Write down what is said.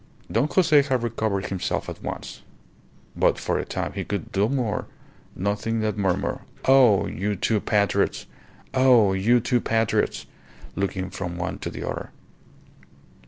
Don Jose had recovered himself at once, but for a time he could do no more than murmur, "Oh, you two patriots! Oh, you two patriots!" looking from one to the other.